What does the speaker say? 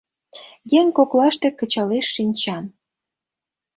Еҥ коклаште кычалеш шинчам.